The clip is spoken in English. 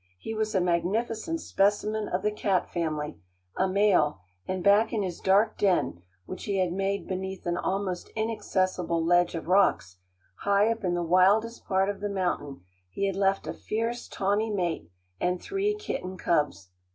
He was a magnificent specimen of the cat family, a male, and back in his dark den, which he had made beneath an almost inaccessible ledge of rocks, high up in the wildest part of the mountain, he had left a fierce, tawny mate and three kitten cubs.